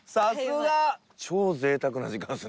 超贅沢な時間ですね